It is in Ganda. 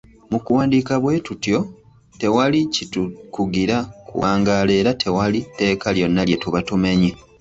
"Mu kuwandiika bwe tutyo, tewali kitukugira kuwangaala era tewali tteeka lyonna lye tuba tumenye."